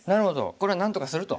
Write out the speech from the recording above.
これはなんとかすると。